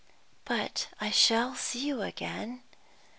"But I shall see you again?"